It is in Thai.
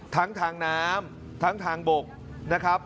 ทั้งทางน้ำทั้งทางบกนะครับ